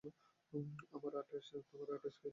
আমার আটাশ তোমার আটাশকে বহুদূরে পেরিয়ে গেছে।